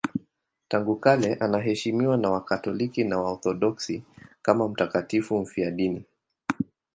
Tangu kale anaheshimiwa na Wakatoliki na Waorthodoksi kama mtakatifu mfiadini.